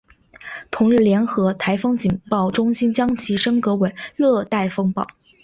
同日联合台风警报中心将其升格为热带风暴。